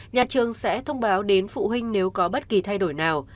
nhà trường sẽ thông báo đến phụ huynh nếu có bất kỳ thay đổi nào